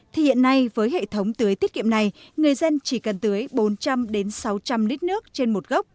thì hiện nay với hệ thống tưới tiết kiệm này người dân chỉ cần tưới bốn trăm linh sáu trăm linh lít nước trên một gốc